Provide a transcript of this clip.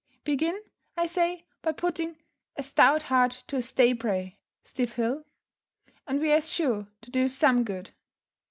Begin, I say, by putting "a stout heart to a stay brae" (stiff hill), and we are sure to do some good.